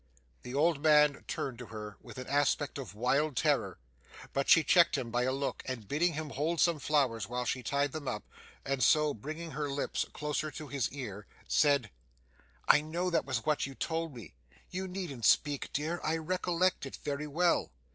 The old man turned to her with an aspect of wild terror; but she checked him by a look, and bidding him hold some flowers while she tied them up, and so bringing her lips closer to his ear, said 'I know that was what you told me. You needn't speak, dear. I recollect it very well.